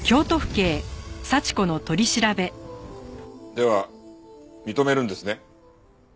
では認めるんですね？